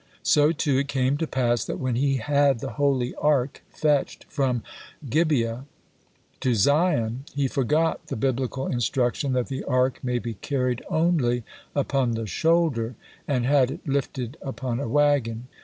So, too, it came to pass that when he had the Holy Ark fetched from Gibeah to Zion, he forgot the Biblical instruction that the Ark may be carried only upon the shoulder, and had it lifted upon a wagon.